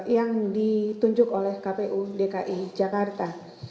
yang ditunjuk oleh kpu dki jakarta